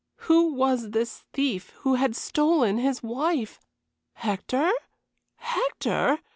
Who was this thief who had stolen his wife? Hector? Hector?